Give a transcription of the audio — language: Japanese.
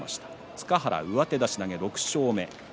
塚原、上手出し投げで６勝目。